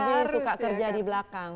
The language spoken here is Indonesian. saya suka kerja di belakang